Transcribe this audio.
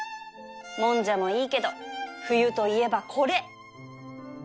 もんじゃもいいけど冬といえばこれ！